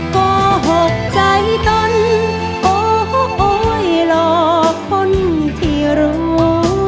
ก็หกใจต้นโอ้โหหลอกคนที่รู้